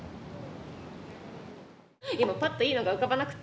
今パッといいのが浮かばなくって。